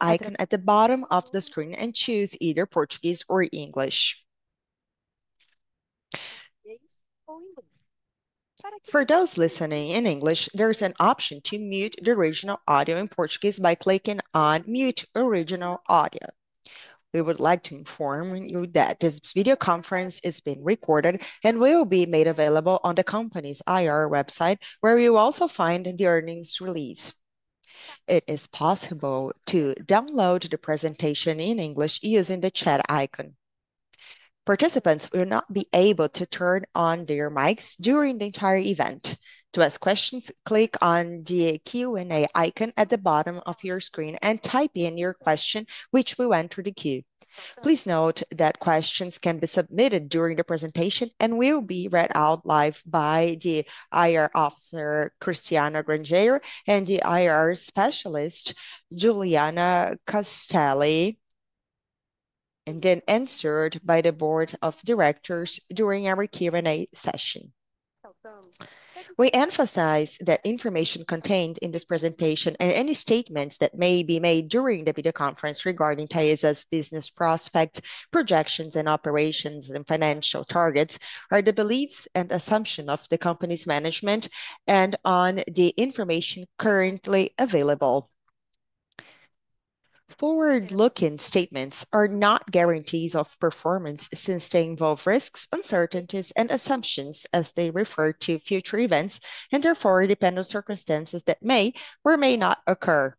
Icon at the bottom of the screen and choose either Portuguese or English. For those listening in English, there is an option to mute the original audio in Portuguese by clicking on "Mute Original Audio." We would like to inform you that this video conference is being recorded and will be made available on the company's IR website, where you will also find the earnings release. It is possible to download the presentation in English using the chat icon. Participants will not be able to turn on their mics during the entire event. To ask questions, click on the Q&A icon at the bottom of your screen and type in your question, which we will enter the queue. Please note that questions can be submitted during the presentation and will be read out live by the IR Officer Cristiana Granjeiro and the IR Specialist Juliana Castelli, and then answered by the Board of Directors during our Q&A session. We emphasize that information contained in this presentation and any statements that may be made during the video conference regarding TAESA's business prospects, projections, operations, and financial targets are the beliefs and assumptions of the company's management and on the information currently available. Forward-looking statements are not guarantees of performance since they involve risks, uncertainties, and assumptions as they refer to future events and therefore depend on circumstances that may or may not occur.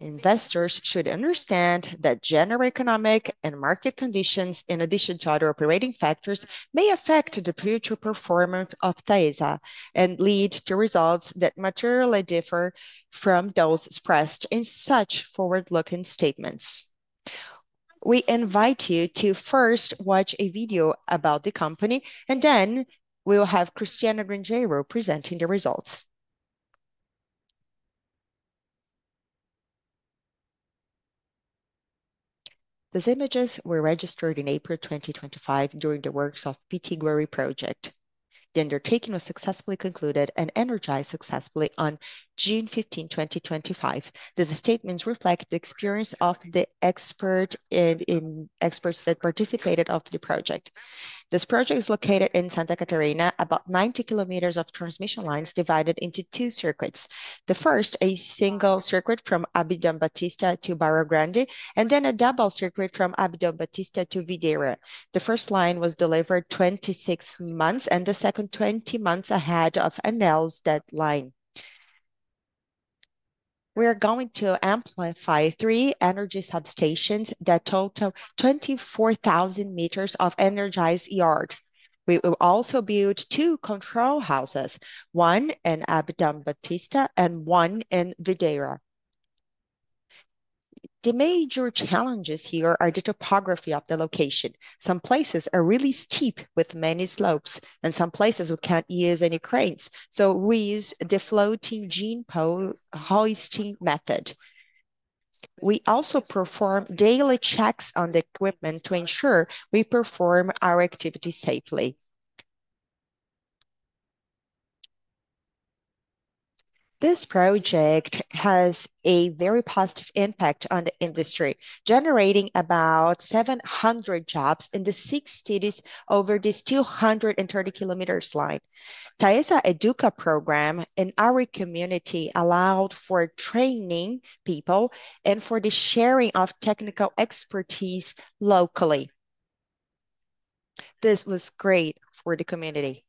Investors should understand that general economic and market conditions, in addition to other operating factors, may affect the future performance of TAESA and lead to results that materially differ from those expressed in such forward-looking statements. We invite you to first watch a video about the company, and then we will have Cristiano Granjeiro presenting the results. These images were registered in April 2025 during the works of the Pitiguari project. The undertaking was successfully concluded and energized successfully on June 15, 2025. These statements reflect the experience of the experts that participated in the project. This project is located in Santa Catarina, about 90 km of transmission lines divided into two circuits. The first, a single circuit from Abdon Batista to Barra Grande, and then a double circuit from Abidão Batista to Videira. The first line was delivered 26 months, and the second 20 months ahead of Enel's deadline. We are going to amplify three energy substations that total 24,000 meters of energized yard. We will also build two control houses, one in Abdon Batista and one in Videira. The major challenges here are the topography of the location. Some places are really steep with many slopes, and some places we can't use any cranes, so we use the floating gene post-hoisting method. We also perform daily checks on the equipment to ensure we perform our activities safely. This project has a very positive impact on the industry, generating about 700 jobs in the six cities over this 230 km line. TAESA's EDUCA program in our community allowed for training people and for the sharing of technical expertise locally. This was great for the community.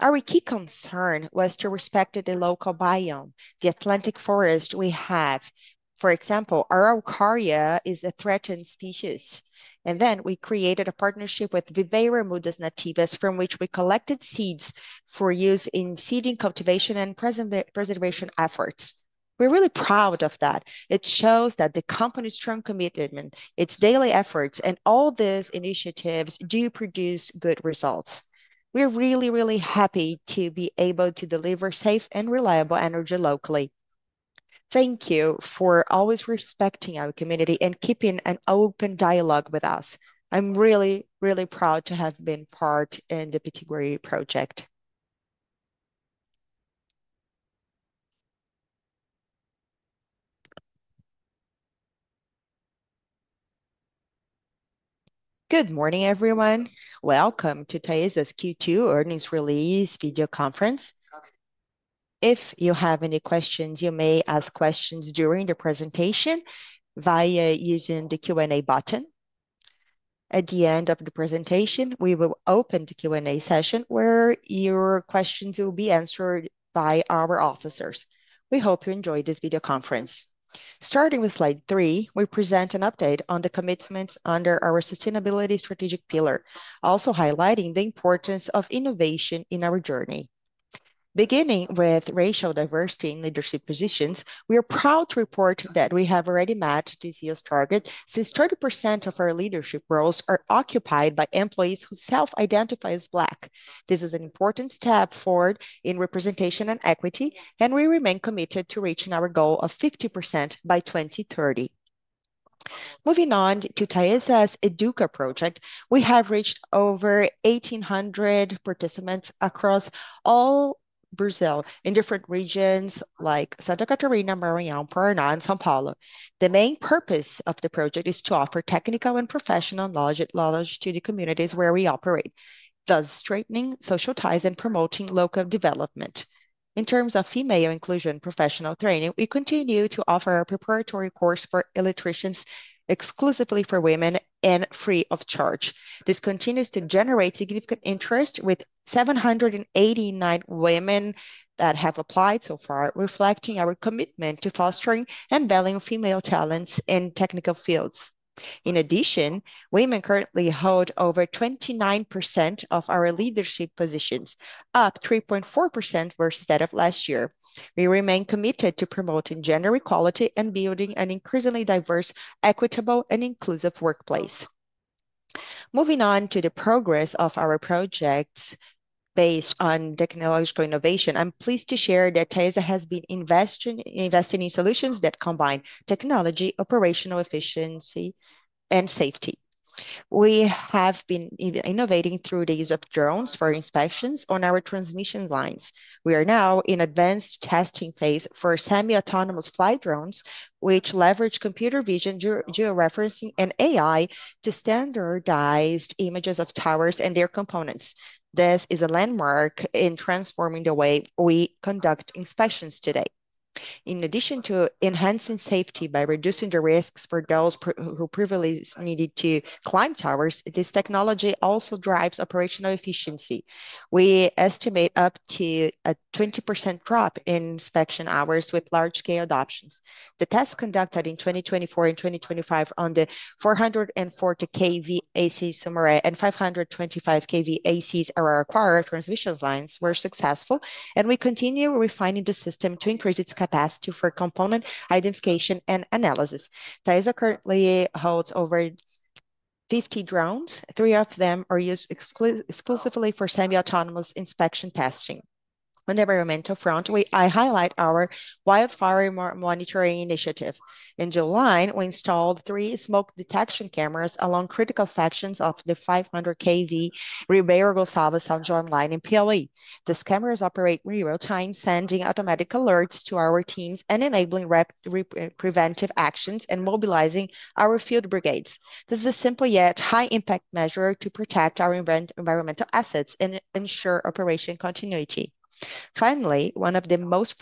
Our key concern was to respect the local biome, the Atlantic Forest we have. For example, Araucaria is a threatened species. We created a partnership with Viveira Mudas Nativas, from which we collected seeds for use in seeding cultivation and preservation efforts. We're really proud of that. It shows that the company's strong commitment, its daily efforts, and all these initiatives do produce good results. We're really, really happy to be able to deliver safe and reliable energy locally. Thank you for always respecting our community and keeping an open dialogue with us. I'm really, really proud to have been part in the Pitiguari project. Good morning, everyone. Welcome to TAESA's Q2 earnings release video conference. If you have any questions, you may ask questions during the presentation via using the Q&A button. At the end of the presentation, we will open the Q&A session where your questions will be answered by our officers. We hope you enjoy this video conference. Starting with slide three, we present an update on the commitments under our Sustainability Strategic Pillar, also highlighting the importance of innovation in our journey. Beginning with racial diversity in leadership positions, we are proud to report that we have already met this year's target since 30% of our leadership roles are occupied by employees who self-identify as Black. This is an important step forward in representation and equity, and we remain committed to reaching our goal of 50% by 2030. Moving on to TAESA's EDUCA project, we have reached over 1,800 participants across all Brazil in different regions like Santa Catarina, Maranhão, Paraná, and São Paulo. The main purpose of the project is to offer technical and professional knowledge to the communities where we operate, thus strengthening social ties and promoting local development. In terms of female inclusion and professional training, we continue to offer a preparatory course for electricians exclusively for women and free of charge. This continues to generate significant interest, with 789 women that have applied so far, reflecting our commitment to fostering and valuing female talents in technical fields. In addition, women currently hold over 29% of our leadership positions, up 3.4% versus that of last year. We remain committed to promoting gender equality and building an increasingly diverse, equitable, and inclusive workplace. Moving on to the progress of our projects based on technological innovation, I'm pleased to share that TAESA has been investing in solutions that combine technology, operational efficiency, and safety. We have been innovating through the use of drones for inspections on our transmission lines. We are now in an advanced testing phase for semi-autonomous fly drones, which leverage computer vision, georeferencing, and AI to standardize images of towers and their components. This is a landmark in transforming the way we conduct inspections today. In addition to enhancing safety by reducing the risks for those who previously needed to climb towers, this technology also drives operational efficiency. We estimate up to a 20% drop in inspection hours with large-scale adoptions. The tests conducted in 2024 and 2025 on the 440 kV AC Sumaré and 525 kV AC Aurora Power transmission lines were successful, and we continue refining the system to increase its capacity for component identification and analysis. TAESA currently holds over 50 drones. Three of them are used exclusively for semi-autonomous inspection testing. On the environmental front, I highlight our wildfire monitoring initiative. In July, we installed three smoke detection cameras along critical sections of the 500 kV Ribeiro Gonçalves São João line in Piauí. These cameras operate in real-time, sending automatic alerts to our teams and enabling preventive actions and mobilizing our field brigades. This is a simple yet high-impact measure to protect our environmental assets and ensure operation continuity. Finally, one of the most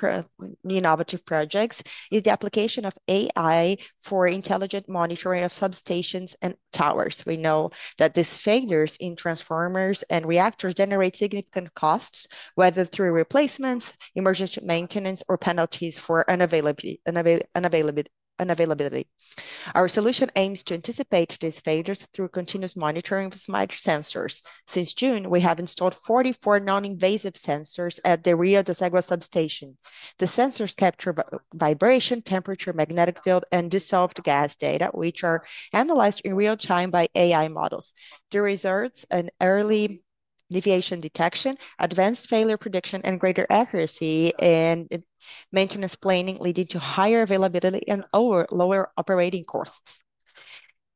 innovative projects is the application of AI for intelligent monitoring of substations and towers. We know that these failures in transformers and reactors generate significant costs, whether through replacements, emergency maintenance, or penalties for unavailability. Our solution aims to anticipate these failures through continuous monitoring of smart sensors. Since June, we have installed 44 non-invasive sensors at the Rio da Sagua substation. The sensors capture vibration, temperature, magnetic field, and dissolved gas data, which are analyzed in real time by AI models. The results are early deviation detection, advanced failure prediction, and greater accuracy in maintenance planning, leading to higher availability and lower operating costs.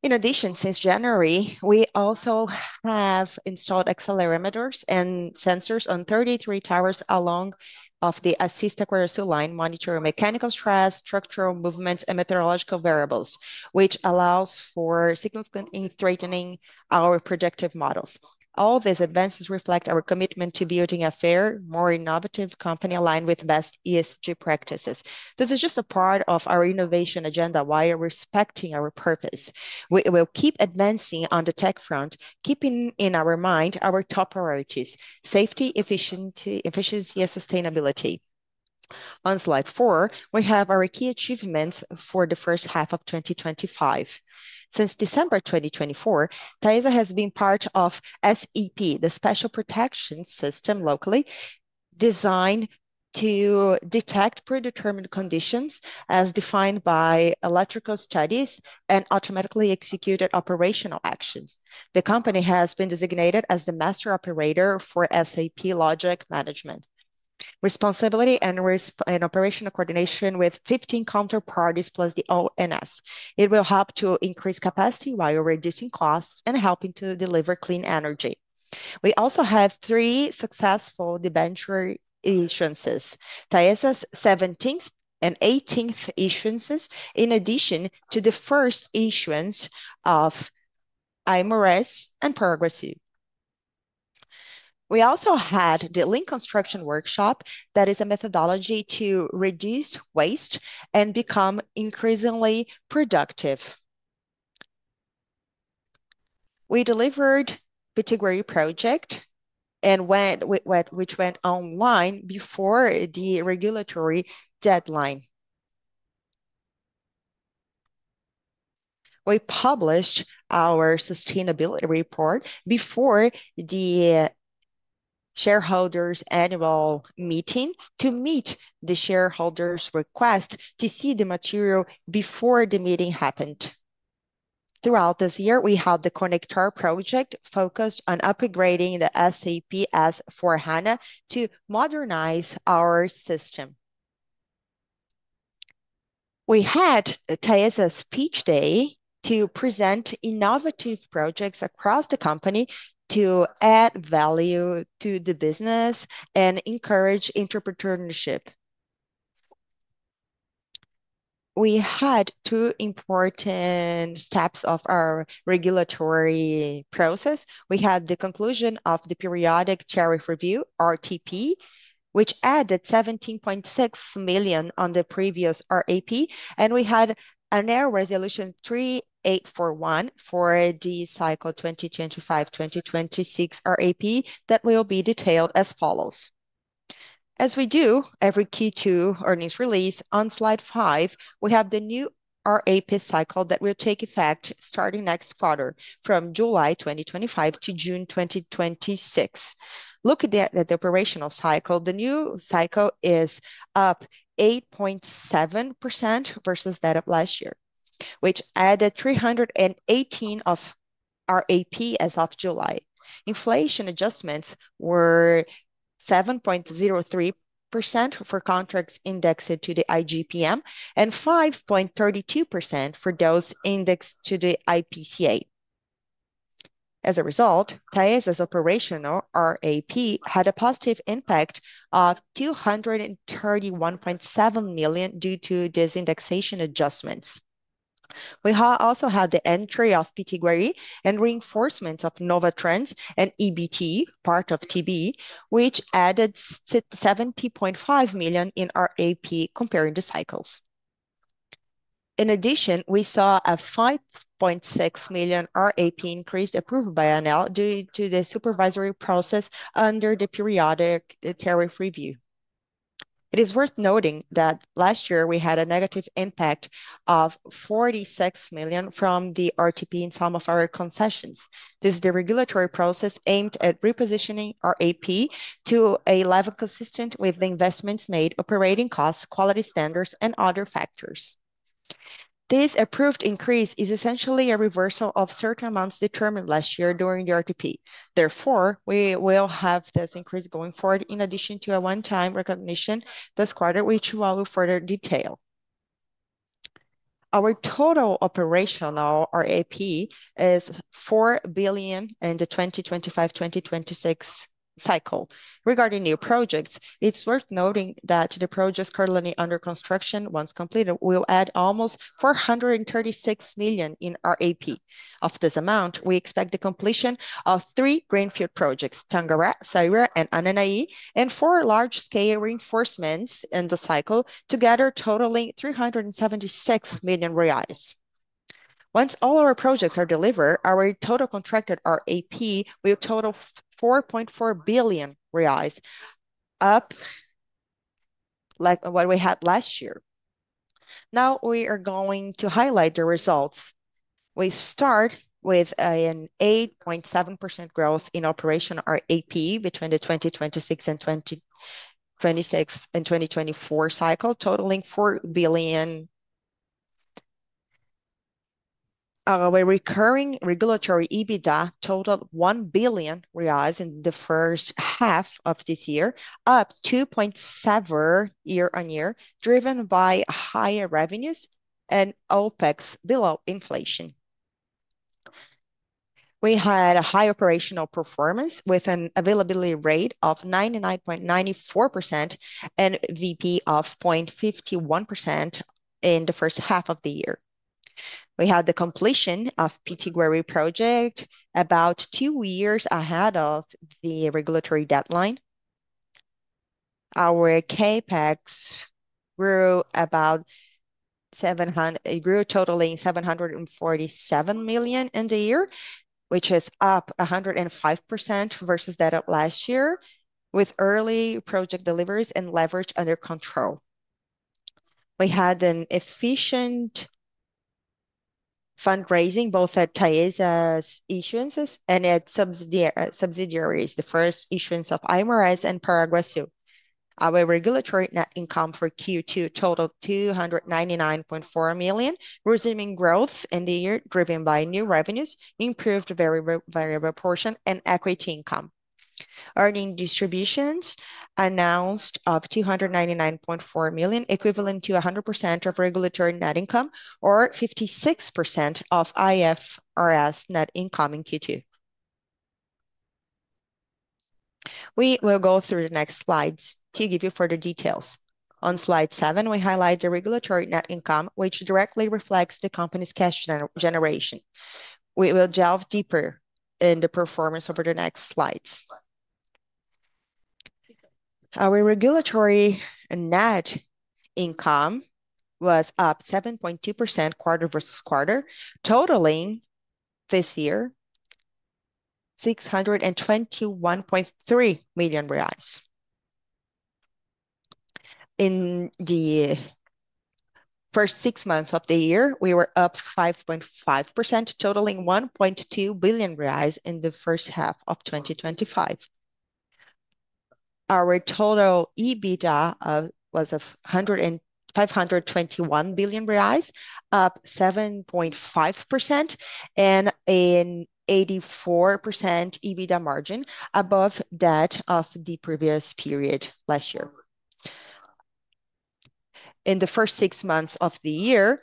In addition, since January, we also have installed accelerometers and sensors on 33 towers along the Assis Aqua Sul line monitoring mechanical stress, structural movements, and meteorological variables, which allows for significantly strengthening our predictive models. All these advances reflect our commitment to building a fair, more innovative company aligned with best ESG practices. This is just a part of our innovation agenda while respecting our purpose. We will keep advancing on the tech front, keeping in our mind our top priorities: safety, efficiency, and sustainability. On slide four, we have our key achievements for the first half of 2025. Since December 2024, TAESA has been part of SEP, the special protection system locally, designed to detect predetermined conditions as defined by electrical studies and automatically execute operational actions. The company has been designated as the master operator for SAP logic management, responsibility and operational coordination with 15 counterparties plus the ONS. It will help to increase capacity while reducing costs and helping to deliver clean energy. We also have three successful debenture issuances, TAESA's 17th and 18th issuances, in addition to the first issuance of IMRS and Progressive. We also had the Link Construction Workshop that is a methodology to reduce waste and become increasingly productive. We delivered the Pitiguari project, which went online before the regulatory deadline. We published our sustainability report before the shareholders' annual meeting to meet the shareholders' request to see the material before the meeting happened. Throughout this year, we held the Connector Project focused on upgrading the SAP S/4HANA to modernize our system. We had TAESA's Speech Day to present innovative projects across the company to add value to the business and encourage entrepreneurship. We had two important steps of our regulatory process. We had the conclusion of the periodic cherry review, RTP, which added 17.6 million on the previous RAP, and we had an air resolution 3841 for the cycle 2025-2026 RAP that will be detailed as follows. As we do every Q2 earnings release, on slide five, we have the new RAP cycle that will take effect starting next quarter from July 2025 to June 2026. Looking at the operational cycle, the new cycle is up 8.7% versus that of last year, which added 318 million of RAP as of July. Inflation adjustments were 7.03% for contracts indexed to the IGPM and 5.32% for those indexed to the IPCA. As a result, TAESA's operational RAP had a positive impact of 231.7 million due to these indexation adjustments. We also had the entry of Pitiguari and reinforcement of NovaTrends and EBT, part of TB, which added 70.5 million in RAP comparing the cycles. In addition, we saw a 5.6 million RAP increase approved by Enel due to the supervisory process under the periodic cherry review. It is worth noting that last year we had a negative impact of 46 million from the RTP in some of our concessions. This is the regulatory process aimed at repositioning RAP to a level consistent with the investments made, operating costs, quality standards, and other factors. This approved increase is essentially a reversal of certain amounts determined last year during the RTP. Therefore, we will have this increase going forward in addition to a one-time recognition this quarter, which we will further detail. Our total operational RAP is 4 billion in the 2025-2026 cycle. Regarding new projects, it's worth noting that the projects currently under construction, once completed, will add almost 436 million in RAP. Of this amount, we expect the completion of three greenfield projects: Tangará, Saira, and Ananahy, and four large-scale reinforcements in the cycle together totaling 376 million reais. Once all our projects are delivered, our total contracted RAP will total 4.4 billion reais, up like what we had last year. Now we are going to highlight the results. We start with an 8.7% growth in operational RAP between the 2026 and 2024 cycle, totaling 4 billion. Our recurring regulatory EBITDA totaled 1 billion reais in the first half of this year, up 2.7% year-on-year, driven by higher revenues and OPEX below inflation. We had a high operational performance with an availability rate of 99.94% and a VP of 0.51% in the first half of the year. We had the completion of the Pitiguari project about two years ahead of the regulatory deadline. Our CapEx grew, totaling 747 million in the year, which is up 105% versus that of last year, with early project deliveries and leverage under control. We had an efficient fundraising both at TAESA's issuances and at subsidiaries, the first issuance of IMRS and Progressive. Our regulatory net income for Q2 totaled 299.4 million, resuming growth in the year, driven by new revenues, improved variable portion, and equity income. Earning distributions announced of 299.4 million, equivalent to 100% of regulatory net income or 56% of IFRS net income in Q2. We will go through the next slides to give you further details. On slide seven, we highlight the regulatory net income, which directly reflects the company's cash generation. We will delve deeper in the performance over the next slides. Our regulatory net income was up 7.2% quarter versus quarter, totaling this year 621.3 million reais. In the first six months of the year, we were up 5.5%, totaling 1.2 billion reais in the first half of 2025. Our total EBITDA was 521 million reais, up 7.5%, and an 84% EBITDA margin above that of the previous period last year. In the first six months of the year,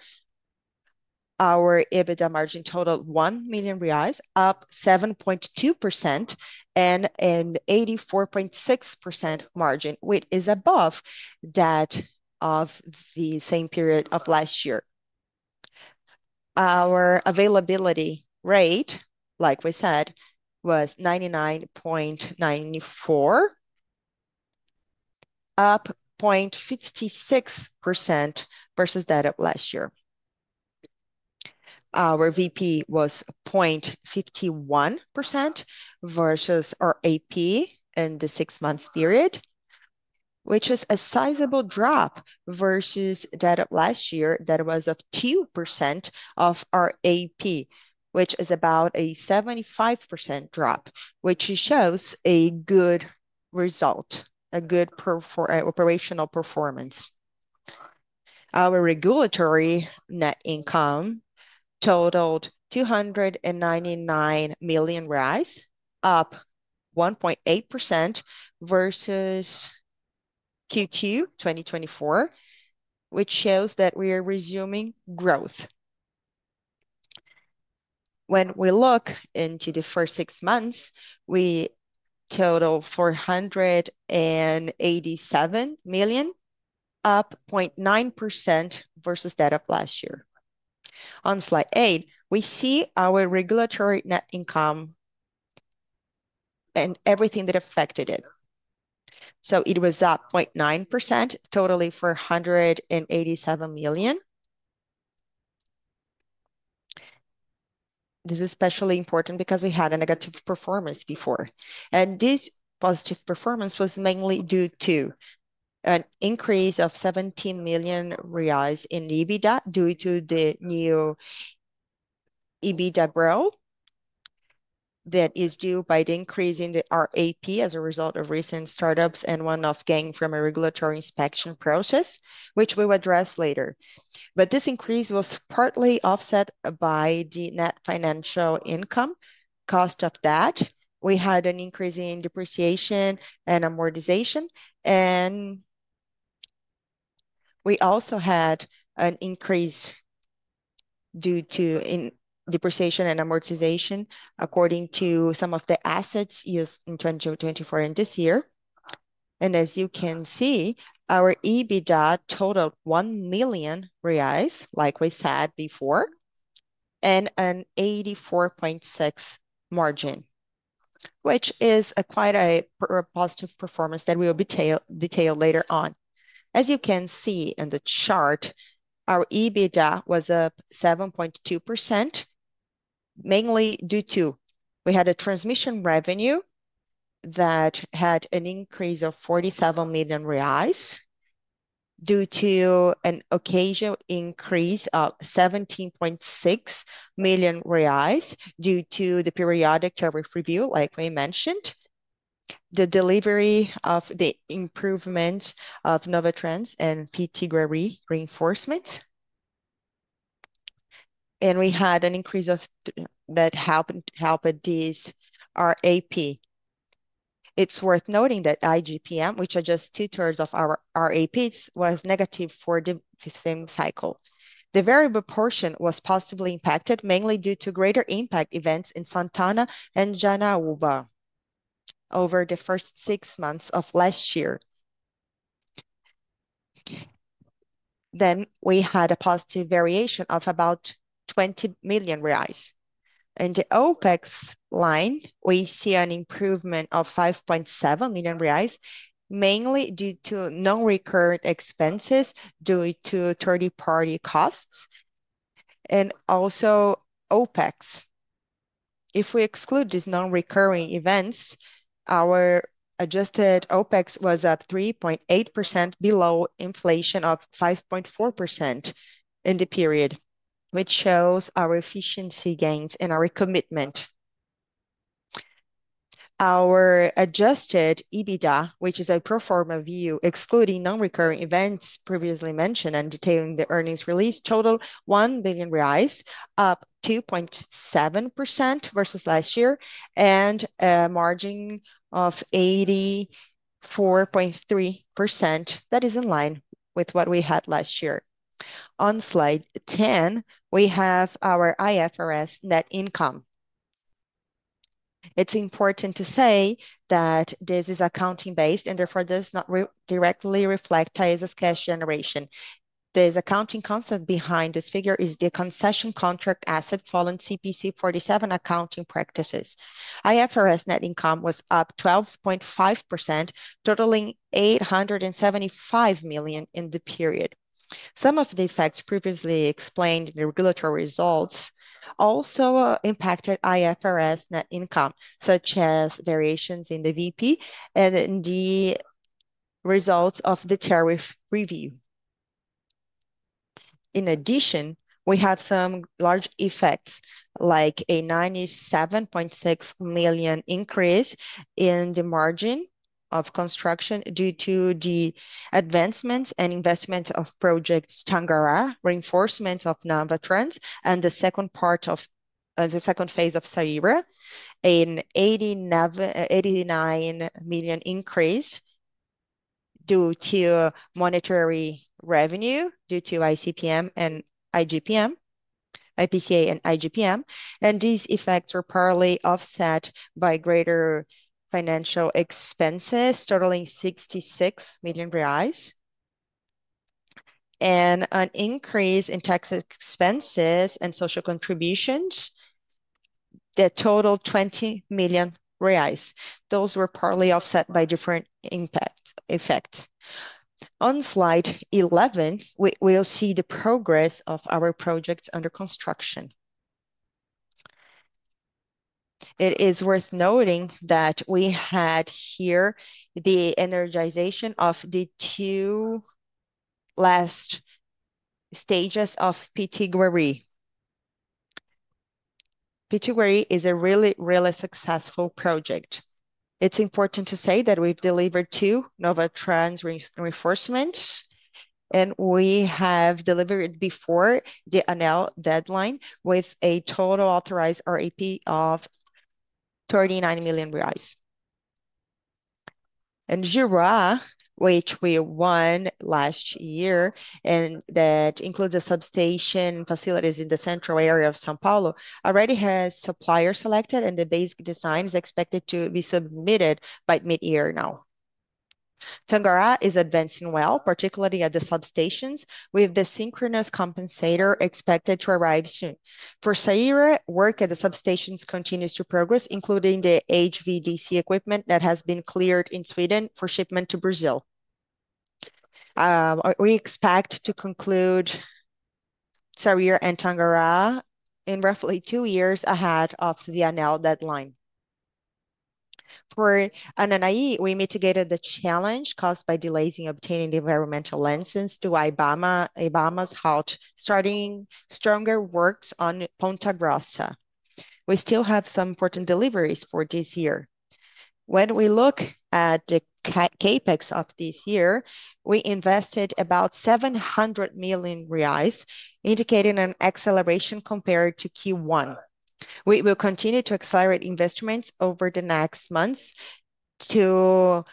our EBITDA margin totaled 1 million reais, up 7.2%, and an 84.6% margin, which is above that of the same period of last year. Our availability rate, like we said, was 99.94%, up 0.56% versus that of last year. Our VP was 0.51% versus RAP in the six-month period, which is a sizable drop versus that of last year that was 2% of RAP, which is about a 75% drop, which shows a good result, a good operational performance. Our regulatory net income totaled 299 million, up 1.8% versus Q2 2024, which shows that we are resuming growth. When we look into the first six months, we totaled 487 million, up 0.9% versus that of last year. On slide eight, we see our regulatory net income and everything that affected it. It was up 0.9%, totaling BRL 187 million. This is especially important because we had a negative performance before. This positive performance was mainly due to an increase of 17 million reais in EBITDA due to the new EBITDA role that is due by the increase in the RAP as a result of recent startups and one-off gain from a regulatory inspection process, which we will address later. This increase was partly offset by the net financial income cost of that. We had an increase in depreciation and amortization, and we also had an increase due to depreciation and amortization according to some of the assets used in 2024 and this year. As you can see, our EBITDA totaled 1 million reais, like we said before, and an 84.6% margin, which is quite a positive performance that we will detail later on. As you can see in the chart, our EBITDA was up 7.2%, mainly due to a transmission revenue that had an increase of 47 million reais due to an occasional increase of 17.6 million reais due to the periodic cherry review, like we mentioned, the delivery of the improvements of NovaTrends and Pitiguari reinforcements. We had an increase that helped with this RAP. It's worth noting that IGPM, which adjusts two-thirds of our RAPs, was negative for the same cycle. The variable portion was positively impacted, mainly due to greater impact events in Santana and Janauva over the first six months of last year. We had a positive variation of about 20 million reais. In the OpEx line, we see an improvement of 5.7 million reais, mainly due to non-recurring expenses due to third-party costs and also OpEx. If we exclude these non-recurring events, our adjusted OpEx was up 3.8%, below inflation of 5.4% in the period, which shows our efficiency gains and our commitment. Our adjusted EBITDA, which is a performer view excluding non-recurring events previously mentioned and detailing the earnings release, totaled 1 million reais, up 2.7% versus last year, and a margin of 84.3% that is in line with what we had last year. On slide 10, we have our IFRS net income. It's important to say that this is accounting-based and therefore does not directly reflect TAESA's cash generation. The accounting concept behind this figure is the concession contract asset following CPC 47 accounting practices. IFRS net income was up 12.5%, totaling 875 million in the period. Some of the effects previously explained in the regulatory results also impacted IFRS net income, such as variations in the VP and in the results of the cherry review. In addition, we have some large effects, like a 97.6 million increase in the margin of construction due to the advancements and investments of Project Tangará, reinforcement of NovaTrends, and the second part of the second phase of Saira, an 89 million increase due to monetary revenue due to ICPM and IPCA and IGPM. These effects are partly offset by greater financial expenses, totaling 66 million reais, and an increase in tax expenses and social contributions that totaled 20 million reais. Those were partly offset by different impact effects. On slide 11, we will see the progress of our projects under construction. It is worth noting that we had the energization of the two last stages of Pitiguari. Pitiguari is a really, really successful project. It's important to say that we've delivered two NovaTrends reinforcements, and we have delivered it before the Enel deadline with a total authorized RAP of 39 million reais. Jurá, which we won last year and that includes the substation facilities in the central area of São Paulo, already has suppliers selected, and the basic design is expected to be submitted by mid-year now. Tangará is advancing well, particularly at the substations, with the synchronous compensator expected to arrive soon. For Saira, work at the substations continues to progress, including the HVDC equipment that has been cleared in Sweden for shipment to Brazil. We expect to conclude Saira and Tangará in roughly two years ahead of the Enel deadline. For Anahy, we mitigated the challenge caused by delays in obtaining the environmental license with IBAMA's help, starting stronger works on Ponta Grossa. We still have some important deliveries for this year. When we look at the CapEx of this year, we invested about 700 million reais, indicating an acceleration compared to Q1. We will continue to accelerate investments over the next months to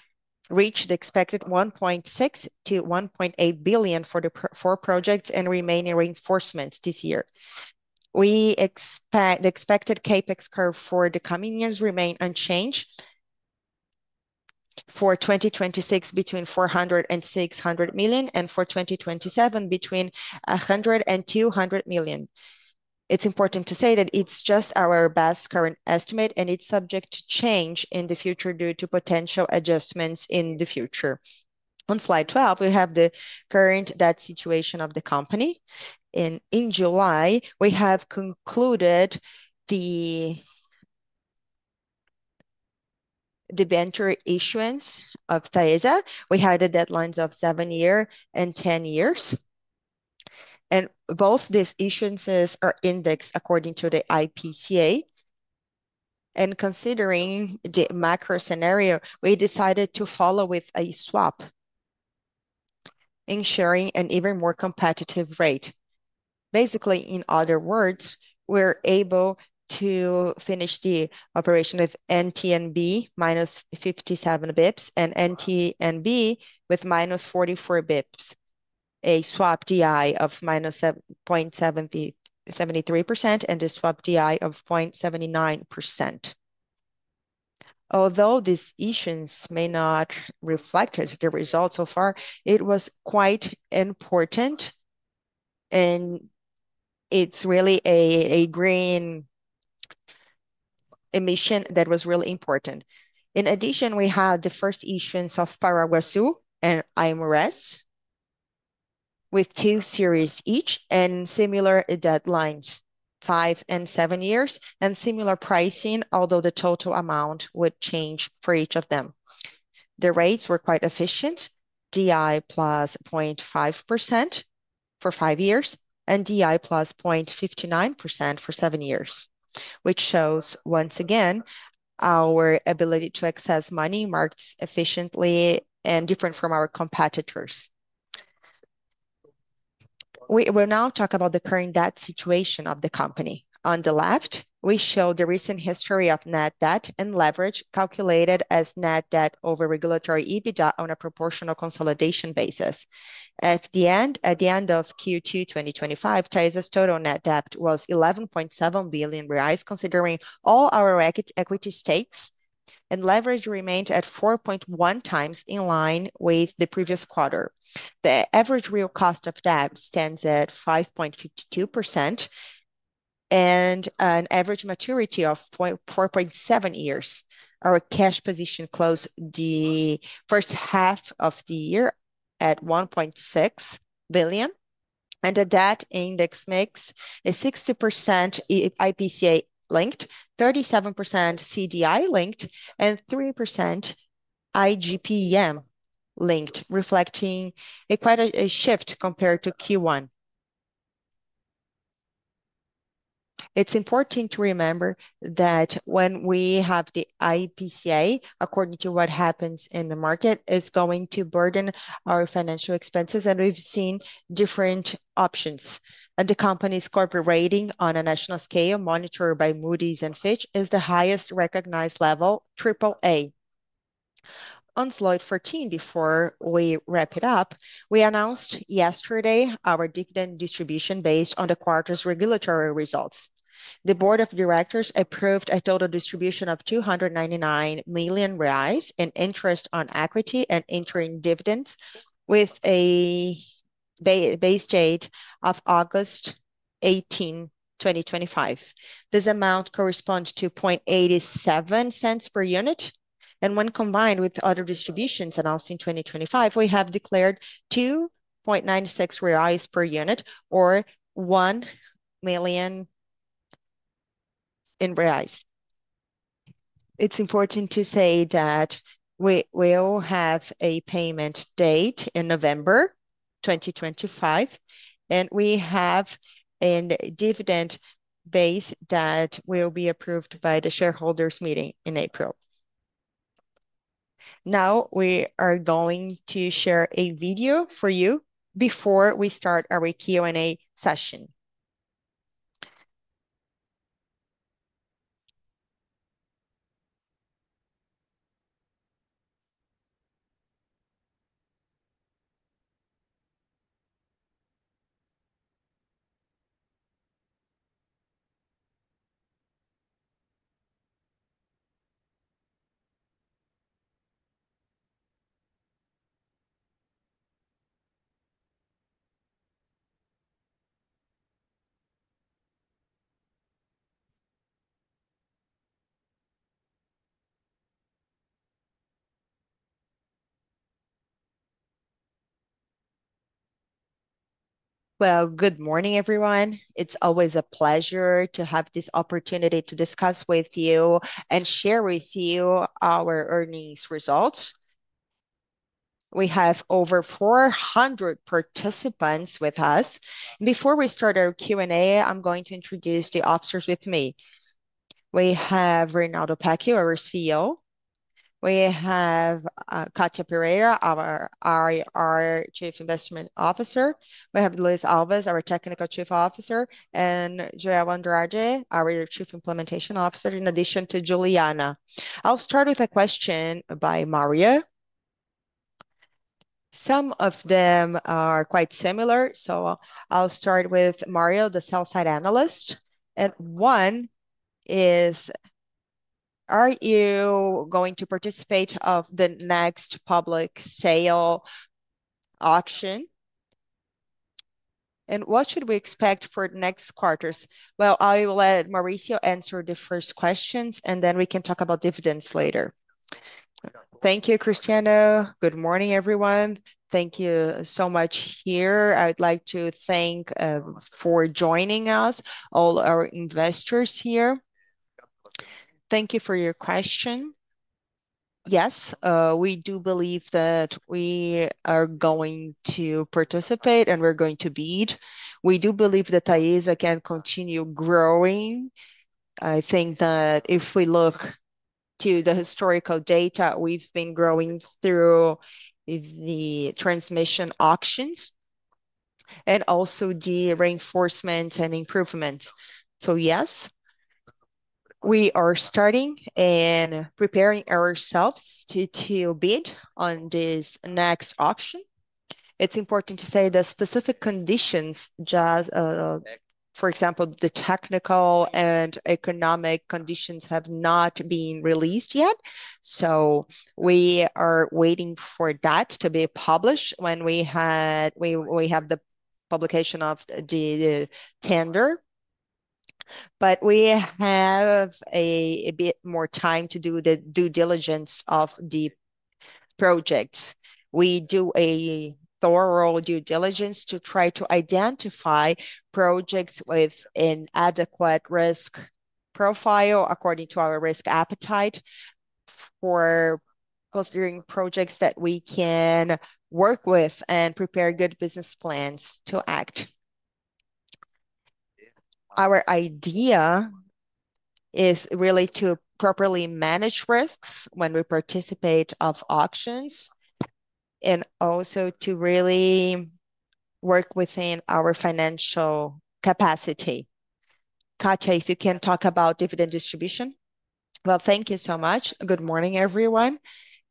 reach the expected 1.6-1.8 billion for the four projects and remaining reinforcements this year. We expect the expected CapEx curve for the coming years to remain unchanged. For 2026, between 400 and 600 million, and for 2027, between 100 and 200 million. It's important to say that it's just our best current estimate, and it's subject to change in the future due to potential adjustments in the future. On slide 12, we have the current debt situation of the company. In July, we have concluded the debenture issuance of TAESA. We had the deadlines of seven years and 10 years. Both these issuances are indexed according to the IPCA. Considering the macro scenario, we decided to follow with a swap, ensuring an even more competitive rate. Basically, in other words, we're able to finish the operation with NTNB -57 bps and NTNB with -44 bps, a swap DI of -0.73% and a swap DI of 0.79%. Although this issuance may not reflect the results so far, it was quite important, and it's really a green emission that was really important. In addition, we had the first issuance of Paraguasú and IMRS with two series each and similar deadlines, five and seven years, and similar pricing, although the total amount would change for each of them. The rates were quite efficient: DI plus 0.5% for five years and DI plus 0.59% for seven years, which shows, once again, our ability to access money markets efficiently and different from our competitors. We will now talk about the current debt situation of the company. On the left, we show the recent history of net debt and leverage, calculated as net debt over regulatory EBITDA on a proportional consolidation basis. At the end of Q2 2025, TAESA's total net debt was 11.7 billion reais, considering all our equity stakes, and leverage remained at 4.1x in line with the previous quarter. The average real cost of debt stands at 5.52% and an average maturity of 4.7 years. Our cash position closed the first half of the year at 1.6 billion, and the debt index makes a 60% IPCA linked, 37% CDI linked, and 3% IGPM linked, reflecting quite a shift compared to Q1. It's important to remember that when we have the IPCA, according to what happens in the market, it's going to burden our financial expenses, and we've seen different options. The company's corporate rating on a national scale, monitored by Moody’s and Fitch, is the highest recognized level, AAA. On slide 14, before we wrap it up, we announced yesterday our dividend distribution based on the quarter's regulatory results. The Board of Directors approved a total distribution of 299 million reais in interest on equity and interim dividends, with a base date of August 18, 2025. This amount corresponds to 0.87 per unit, and when combined with other distributions announced in 2025, we have declared 2.96 reais per unit, or 1 million reais. It's important to say that we will have a payment date in November 2025, and we have a dividend base that will be approved by the shareholders' meeting in April. Now we are going to share a video for you before we start our Q&A session. Good morning, everyone. It's always a pleasure to have this opportunity to discuss with you and share with you our earnings results. We have over 400 participants with us. Before we start our Q&A, I'm going to introduce the officers with me. We have Rinaldo Pecchio, our CEO. We have Catia Pereira, our Chief Investment Officer. We have Luis Alves, our Technical Chief Officer, and Jell Andrade, our Chief Implementation Officer, in addition to Juliana. I'll start with a question by Mario. Some of them are quite similar, so I'll start with Mario, the sell-side analyst. One is, are you going to participate in the next public sale auction? What should we expect for the next quarters? I will let Mauricio answer the first questions, and then we can talk about dividends later. Thank you, Cristiano. Good morning, everyone. Thank you so much here. I'd like to thank, for joining us, all our investors here. Thank you for your question. Yes, we do believe that we are going to participate, and we're going to bid. We do believe that TAESA can continue growing. I think that if we look to the historical data, we've been growing through the transmission auctions and also the reinforcement and improvements. Yes, we are starting and preparing ourselves to bid on this next auction. It's important to say that specific conditions, just, for example, the technical and economic conditions have not been released yet. We are waiting for that to be published when we have the publication of the tender. We have a bit more time to do the due diligence of the projects. We do a thorough due diligence to try to identify projects with an adequate risk profile according to our risk appetite for considering projects that we can work with and prepare good business plans to act. Our idea is really to properly manage risks when we participate in auctions and also to really work within our financial capacity. Catia, if you can talk about dividend distribution. Thank you so much. Good morning, everyone.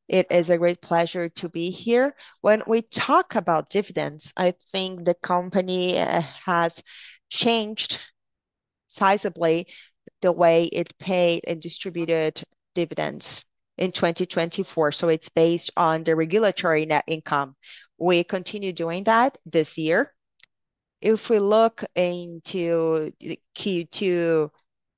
It is a great pleasure to be here. When we talk about dividends, I think the company has changed sizably the way it paid and distributed dividends in 2024. It's based on the regulatory net income. We continue doing that this year. If we look into the Q2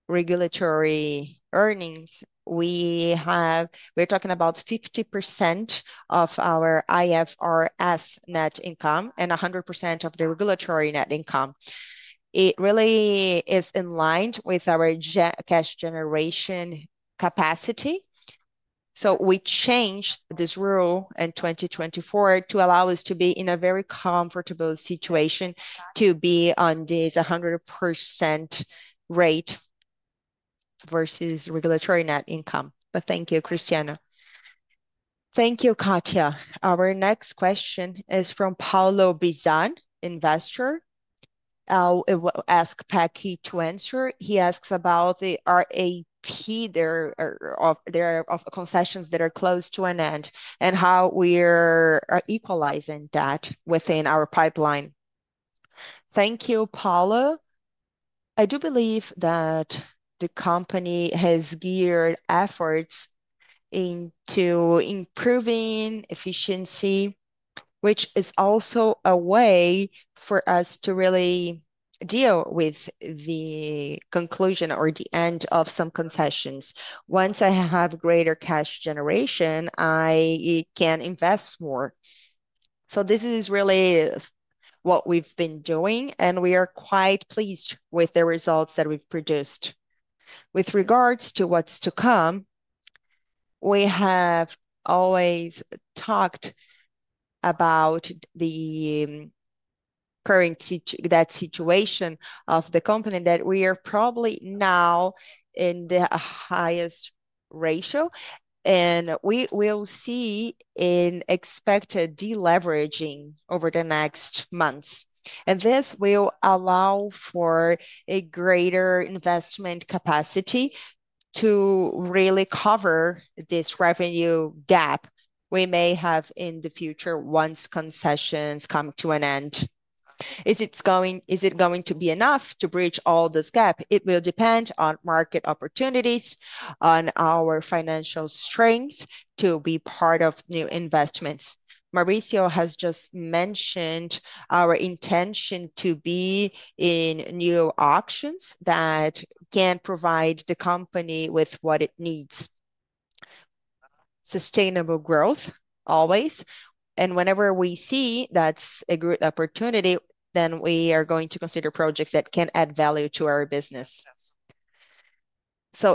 regulatory earnings, we have, we're talking about 50% of our IFRS net income and 100% of the regulatory net income. It really is in line with our cash generation capacity. We changed this rule in 2024 to allow us to be in a very comfortable situation to be on this 100% rate versus regulatory net income. Thank you, Cristiano. Thank you, Catia. Our next question is from Paulo Bizan, investor. I will ask Pecchio to answer. He asks about the RAP, there are concessions that are close to an end and how we are equalizing that within our pipeline. Thank you, Paulo. I do believe that the company has geared efforts into improving efficiency, which is also a way for us to really deal with the conclusion or the end of some concessions. Once I have greater cash generation, I can invest more. This is really what we've been doing, and we are quite pleased with the results that we've produced. With regards to what's to come, we have always talked about the current debt situation of the company that we are probably now in the highest ratio, and we will see an expected deleveraging over the next months. This will allow for a greater investment capacity to really cover this revenue gap we may have in the future once concessions come to an end. Is it going to be enough to bridge all this gap? It will depend on market opportunities, on our financial strength to be part of new investments. Mauricio has just mentioned our intention to be in new auctions that can provide the company with what it needs. Sustainable growth, always. Whenever we see that's a good opportunity, then we are going to consider projects that can add value to our business.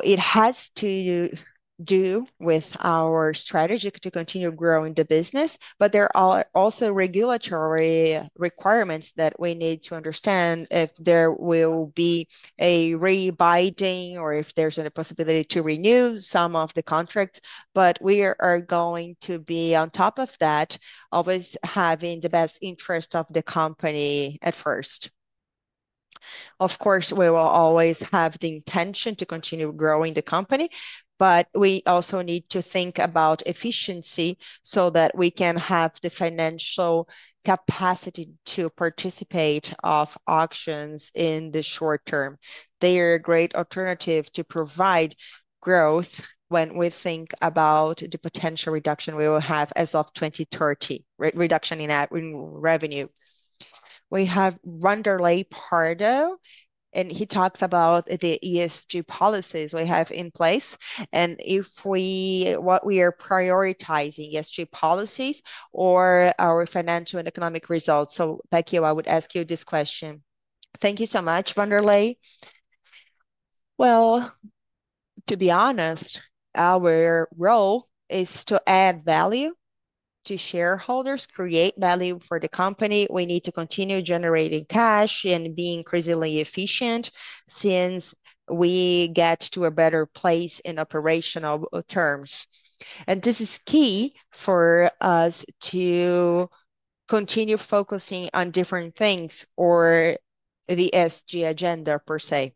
It has to do with our strategy to continue growing the business, but there are also regulatory requirements that we need to understand if there will be a rebuilding or if there's a possibility to renew some of the contracts. We are going to be on top of that, always having the best interest of the company at first. Of course, we will always have the intention to continue growing the company, but we also need to think about efficiency so that we can have the financial capacity to participate in auctions in the short term. They are a great alternative to provide growth when we think about the potential reduction we will have as of 2030, reduction in revenue. We have Wanderley Pardo, and he talks about the ESG policies we have in place, and if we what we are prioritizing ESG policies or our financial and economic results. Thank you. I would ask you this question. Thank you so much, Wanderley. To be honest, our role is to add value to shareholders, create value for the company. We need to continue generating cash and be increasingly efficient since we get to a better place in operational terms. This is key for us to continue focusing on different things or the ESG agenda per se.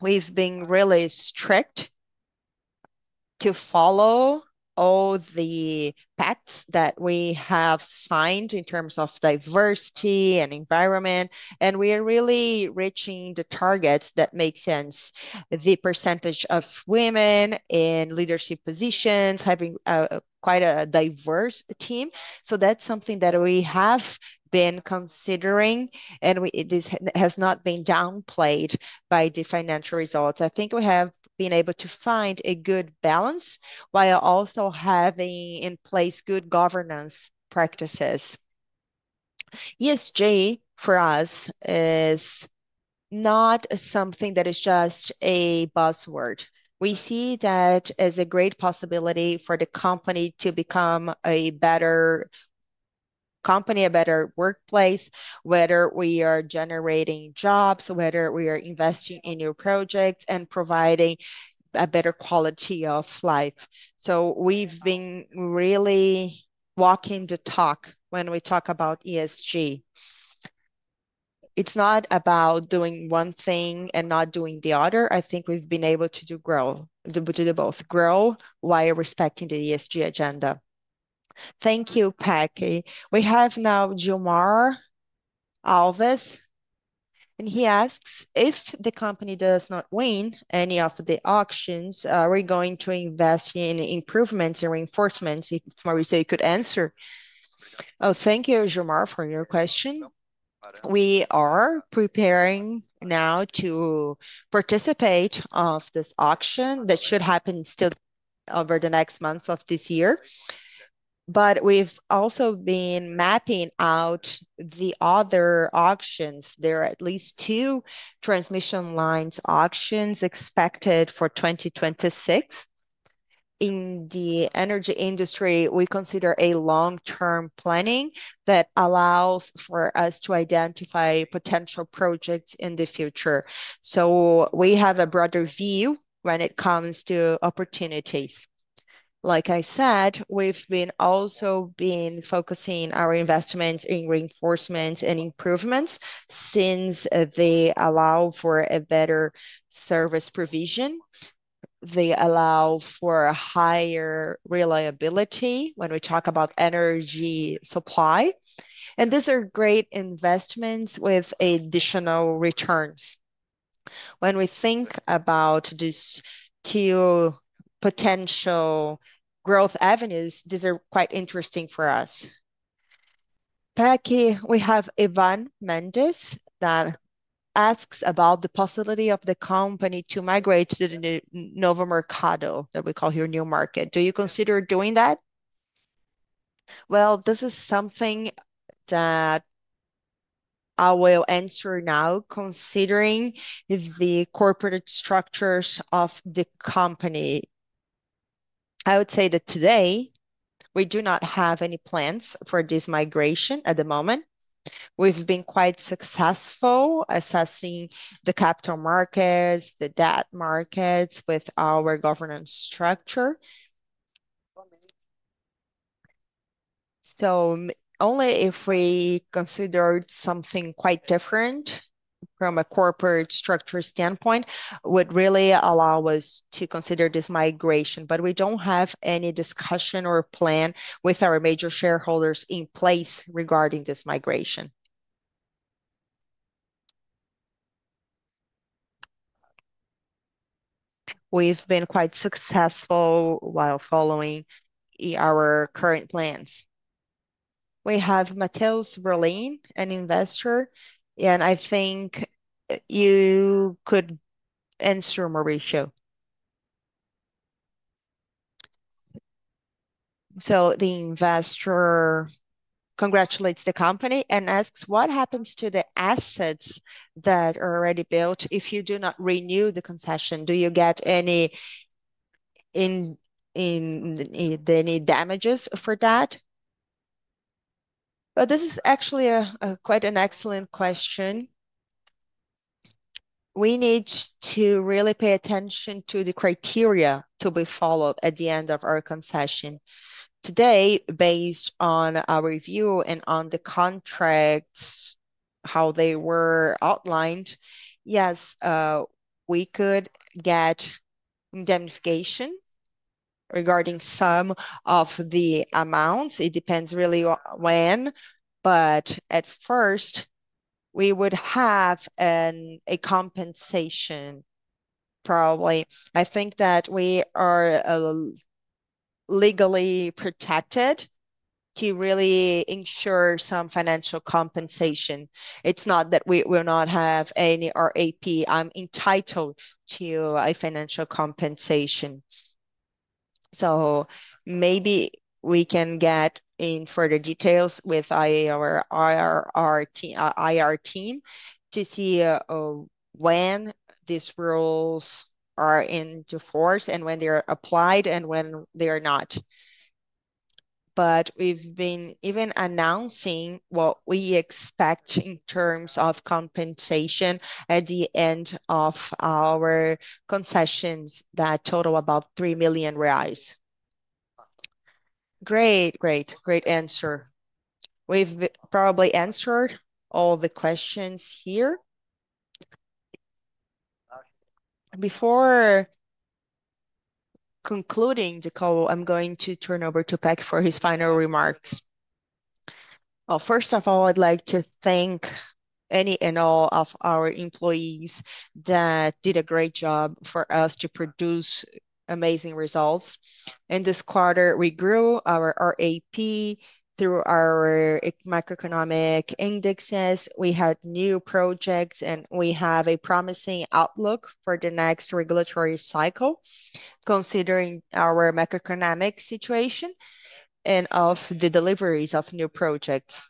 We've been really strict to follow all the PETs that we have signed in terms of diversity and environment, and we are really reaching the targets that make sense. The % of women in leadership positions, having quite a diverse team. That's something that we have been considering, and this has not been downplayed by the financial results. I think we have been able to find a good balance while also having in place good governance practices. ESG for us is not something that is just a buzzword. We see that as a great possibility for the company to become a better company, a better workplace, whether we are generating jobs, whether we are investing in new projects and providing a better quality of life. We've been really walking the talk when we talk about ESG. It's not about doing one thing and not doing the other. I think we've been able to do growth, to do both, grow while respecting the ESG agenda. Thank you, Catie. We have now Jomar Alves, and he asks if the company does not win any of the auctions, are we going to invest in improvements and reinforcements? Mauricio could answer. Thank you, Jomar, for your question. We are preparing now to participate in this auction that should happen still over the next months of this year. We've also been mapping out the other auctions. There are at least two transmission lines auctions expected for 2026. In the energy industry, we consider a long-term planning that allows for us to identify potential projects in the future. We have a broader view when it comes to opportunities. Like I said, we've also been focusing our investments in reinforcements and improvements since they allow for a better service provision. They allow for a higher reliability when we talk about energy supply. These are great investments with additional returns. When we think about these two potential growth avenues, these are quite interesting for us. Pecchio, we have Ivan Mendes that asks about the possibility of the company to migrate to the Novo Mercado that we call here New Market. Do you consider doing that? This is something that I will answer now, considering the corporate structures of the company. I would say that today, we do not have any plans for this migration at the moment. We've been quite successful assessing the capital markets, the debt markets with our governance structure. Only if we considered something quite different from a corporate structure standpoint would really allow us to consider this migration. We don't have any discussion or plan with our major shareholders in place regarding this migration. We've been quite successful while following our current plans. We have Matheus Verlin, an investor, and I think you could answer Mauricio. The investor congratulates the company and asks what happens to the assets that are already built if you do not renew the concession. Do you get any damages for that? This is actually quite an excellent question. We need to really pay attention to the criteria to be followed at the end of our concession. Today, based on our review and on the contracts, how they were outlined, yes, we could get indemnification regarding some of the amounts. It depends really when, but at first, we would have a compensation probably. I think that we are legally protected to really ensure some financial compensation. It's not that we will not have any RAP. I'm entitled to a financial compensation. Maybe we can get in further details with our IR team to see when these rules are in force and when they're applied and when they're not. We've been even announcing what we expect in terms of compensation at the end of our concessions that total about 3 million reais. Great, great, great answer. We've probably answered all the questions here. Before concluding the call, I'm going to turn over to Rinaldo Pecchio for his final remarks. First of all, I'd like to thank any and all of our employees that did a great job for us to produce amazing results. In this quarter, we grew our RAP through our macroeconomic indexes. We had new projects, and we have a promising outlook for the next regulatory cycle, considering our macroeconomic situation and the deliveries of new projects.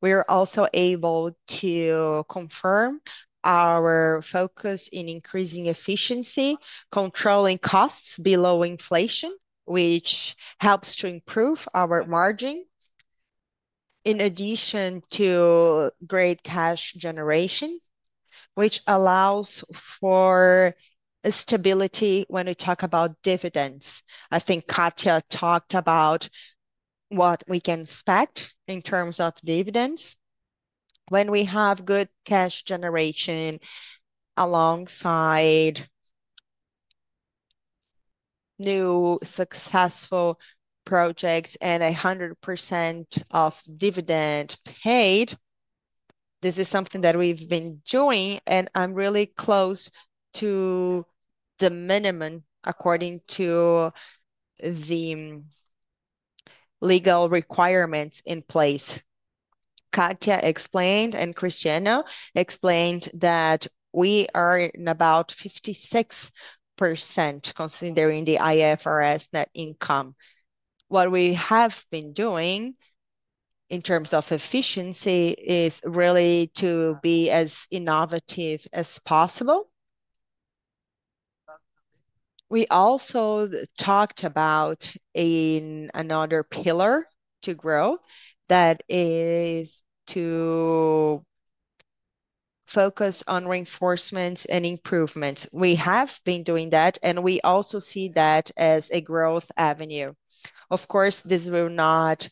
We are also able to confirm our focus in increasing efficiency, controlling costs below inflation, which helps to improve our margin, in addition to great cash generation, which allows for stability when we talk about dividends. I think Catia talked about what we can expect in terms of dividends when we have good cash generation alongside new successful projects and 100% of dividend paid. This is something that we've been doing, and I'm really close to the minimum according to the legal requirements in place. Catia explained, and Cristiana Granjeiro explained that we are in about 56% considering the IFRS net income. What we have been doing in terms of efficiency is really to be as innovative as possible. We also talked about another pillar to grow that is to focus on reinforcements and improvements. We have been doing that, and we also see that as a growth avenue. Of course, this will not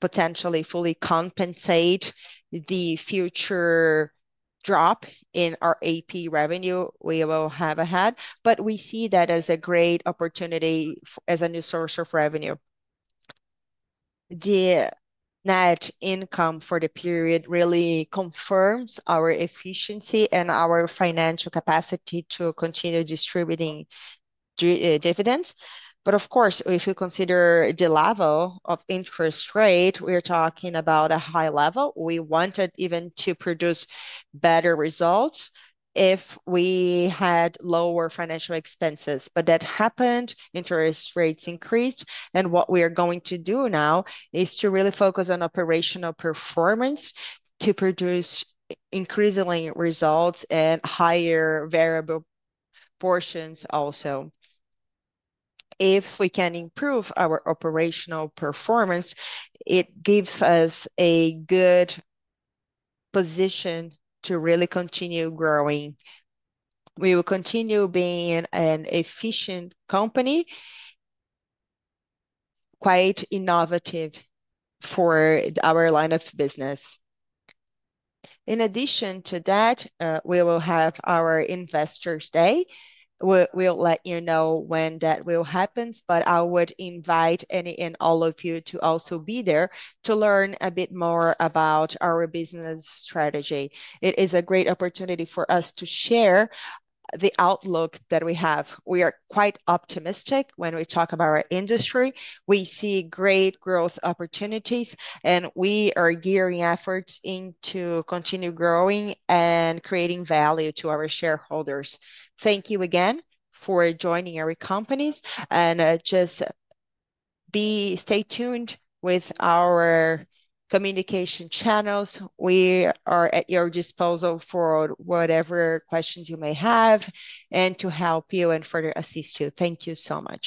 potentially fully compensate the future drop in our RAP revenue we will have ahead, but we see that as a great opportunity as a new source of revenue. The net income for the period really confirms our efficiency and our financial capacity to continue distributing dividends. Of course, if you consider the level of interest rate, we're talking about a high level. We wanted even to produce better results if we had lower financial expenses. That happened, interest rates increased, and what we are going to do now is to really focus on operational performance to produce increasingly results and higher variable portions also. If we can improve our operational performance, it gives us a good position to really continue growing. We will continue being an efficient company, quite innovative for our line of business. In addition to that, we will have our Investors Day. We'll let you know when that will happen, but I would invite any and all of you to also be there to learn a bit more about our business strategy. It is a great opportunity for us to share the outlook that we have. We are quite optimistic when we talk about our industry. We see great growth opportunities, and we are gearing efforts to continue growing and creating value to our shareholders. Thank you again for joining our company, and just stay tuned with our communication channels. We are at your disposal for whatever questions you may have and to help you and further assist you. Thank you so much.